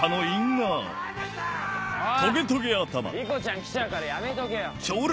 理子ちゃん来ちゃうからやめとけよ。